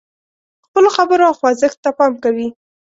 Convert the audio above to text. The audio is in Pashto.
خپلو خبرو او خوځښت ته پام کوي.